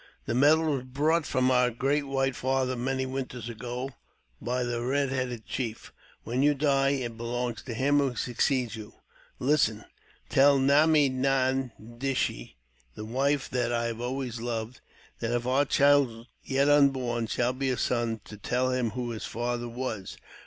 The medal was brought from our great white father many winters ago by the red headed chief. When you die, it belongs to him who succeeds you. Listen. Tell Nam i ne dishee, the wife that I have always loved, that if our child, yet unborn, shall be a son, to tell him who his father was.